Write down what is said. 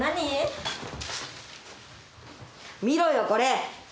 見ろよこれ。